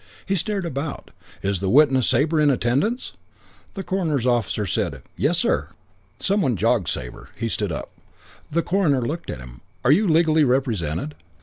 He stared about. "Is the witness Sabre in attendance?" The coroner's officer said, "Yes, sir." Some one jogged Sabre. He stood up. The coroner looked at him. "Are you legally represented?"